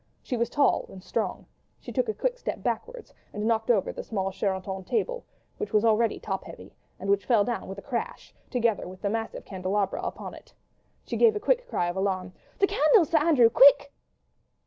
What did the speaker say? She was tall and strong; she took a quick step backwards and knocked over the small Sheraton table which was already top heavy, and which fell down with a crash, together with the massive candelabra upon it. She gave a quick cry of alarm: "The candles, Sir Andrew—quick!"